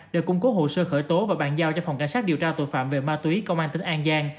để cung cố hồ sơ khởi tố và bàn giao cho phòng cảnh sát điều tra tội phạm về ma túy công an tỉnh an giang